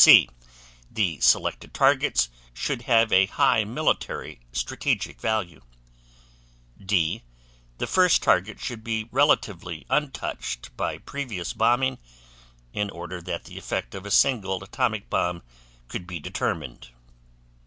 C. The selected targets should have a high military strategic value. D. The first target should be relatively untouched by previous bombing, in order that the effect of a single atomic bomb could be determined.